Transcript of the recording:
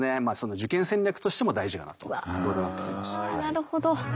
なるほど。